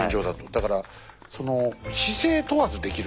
だから「姿勢問わずできる」。